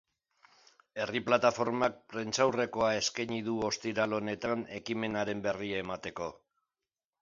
Herri plataformak prentsaurrekoa eskaini du ostiral honetan ekimenaren berri emateko.